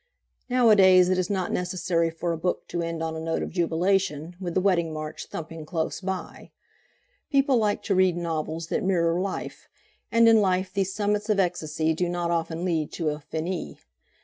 Nowadays it is not necessary for a book to end on a note of jubilation, with the Wedding March thumping close by. People like to read novels that mirror life, and in life these summits of ecstasy do not often lead to a "Finis."